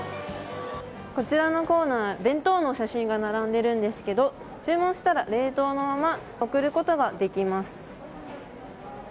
こちらのコーナー、弁当の写真が並んでいるんですけども注文したら冷凍のまま送ることができます。